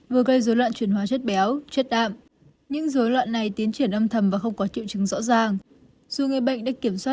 vừa gây dối loạn chuyển hóa chất béo chất đạm